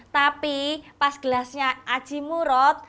tapi pas gelasnya aji murod